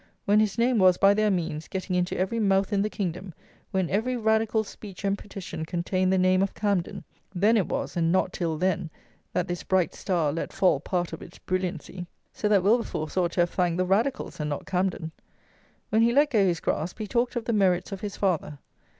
When his name was, by their means, getting into every mouth in the kingdom; when every Radical speech and petition contained the name of Camden. Then it was, and not till then, that this "bright star" let fall part of its "brilliancy." So that Wilberforce ought to have thanked the Radicals, and not Camden. When he let go his grasp, he talked of the merits of his father.